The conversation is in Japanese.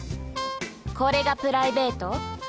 これがプライベート？